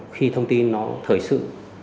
khi thông tin nó thời sự